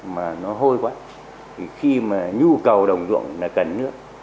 mà nó hôi quá thì khi mà nhu cầu đồng ruộng là cần nước